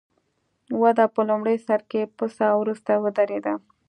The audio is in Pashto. وده په لومړي سر کې پڅه او وروسته ودرېده.